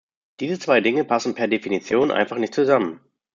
Diese zwei Dinge passen per Definition einfach nicht zusammen.